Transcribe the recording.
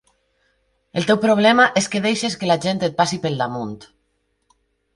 El teu problema és que deixes que la gent et passi pel damunt.